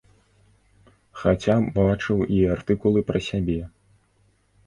Хаця бачыў і артыкулы пра сябе.